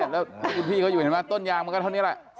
แล้วพี่เขาอยู่เห็นไหมต้นยางมันก็เท่านี้แหละ